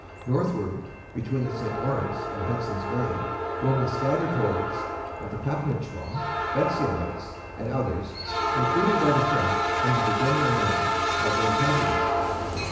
Northward, between the St. Lawrence and Hudson's Bay, roamed the scattered hordes of the Papinachois, Bersiamites, and others, included by the French under the general name of Montagnais.